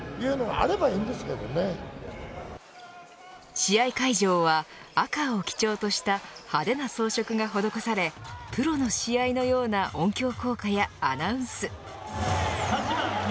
試合会場は赤を基調とした派手な装飾が施されプロの試合のような音響効果やアナウンス。